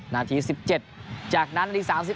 นาที๑๗จากนั้น๓๑